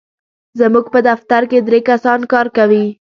زموږ په دفتر کې درې کسان کار کوي.